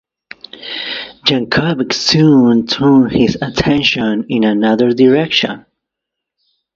Yankovic soon turned his attention in another direction.